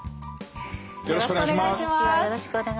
よろしくお願いします。